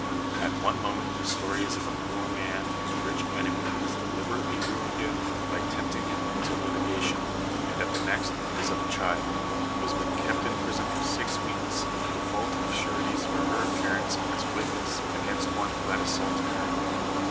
At one moment the story is of a poor man whose rich enemy has deliberately ruined him by tempting him into litigation ; and at the next it is of a child who has been kept in prison for six weeks, in default of sureties for her appear ance as witness against one who had assaulted her*.